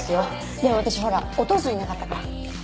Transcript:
でも私ほらお父さんいなかったから。